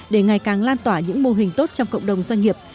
để ngày càng lan tỏa những mô hình tốt trong cộng đồng doanh nghiệp